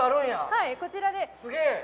はい、こちらで。